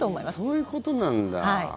そういうことなんだ。